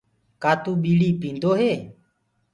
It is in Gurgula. ڪآ تو ٻيڙي پيندو هي؟